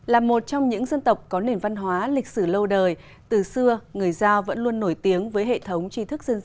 là một trong những dân tộc có nền văn hóa lịch sử lâu đời từ xưa người giao vẫn luôn nổi tiếng với hệ thống trí thức xã hội